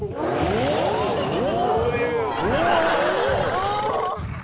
おお。